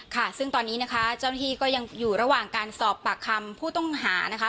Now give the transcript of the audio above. ค่ะซึ่งตอนนี้นะคะเจ้าหน้าที่ก็ยังอยู่ระหว่างการสอบปากคำผู้ต้องหานะคะ